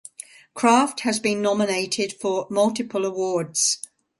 Craft has been nominated for multiple awards.